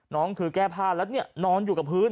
น้องคือแก้ผ้าแล้วเนี่ยนอนอยู่กับพื้น